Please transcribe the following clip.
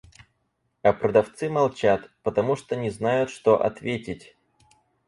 А продавцы молчат, потому что не знают, что ответить.